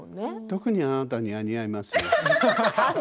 特にあなたには似合いますよ。